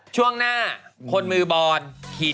ช่วงหน้าคนมือบอร์น